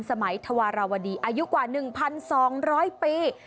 สมัยธวาราวดีอายุกว่าหนึ่งพันสองร้อยปี